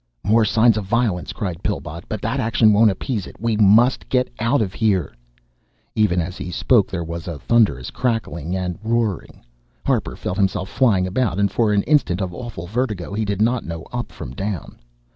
"More signs of violence," cried Pillbot. "But that action won't appease It we must get out of here " Even as he spoke there was a thunderous crackling and roaring. Harper felt himself flying about, and for an instant of awful vertigo he did not know up from down.